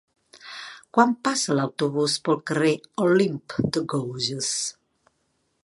Quan passa l'autobús pel carrer Olympe de Gouges?